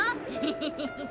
フフフッ。